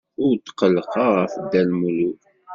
Ur tqellqeɣ ɣef Dda Lmulud.